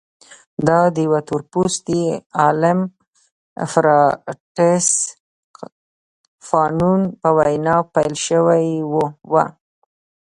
دا د یوه تور پوستي عالم فرانټس فانون په وینا پیل شوې وه.